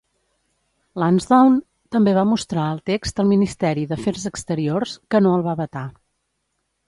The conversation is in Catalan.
Lansdowne també va mostrar el text al Ministeri d'Afers exteriors, que no el va vetar.